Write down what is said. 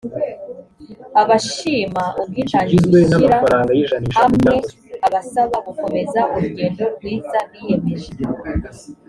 abashima ubwitange gushyira hamwe abasaba gukomeza urugendo rwiza biyemeje